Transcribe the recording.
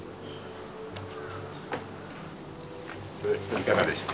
いかがでした？